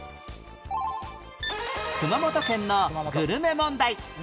熊本県のグルメ問題